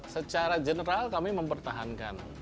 secara general kami mempertahankan